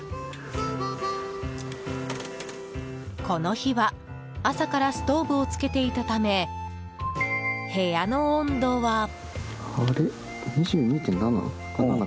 この日は朝からストーブをつけていたため部屋の温度は。